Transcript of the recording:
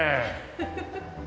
フフフフ。